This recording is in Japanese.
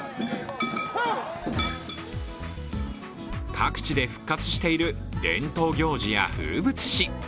各地で復活している伝統行事や風物詩。